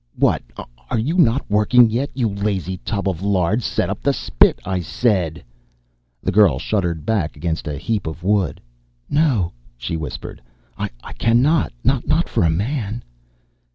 "What, are you not working yet, you lazy tub of lard? Set up the spit, I said!" The girl shuddered back against a heap of wood. "No," she whispered. "I cannot not ... not for a man."